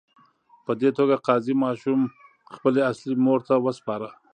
په دې توګه قاضي ماشوم خپلې اصلي مور ته وسپاره.